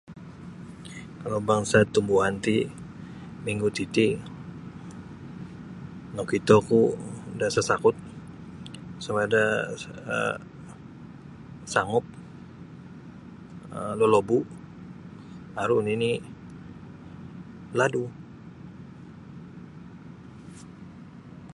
Kalau bangsa tumbuan ti minggu titi nakitoku da sasakut sama ada um sangup um lolobu aru nini ladu.